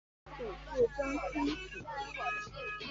曾祖父张宽甫。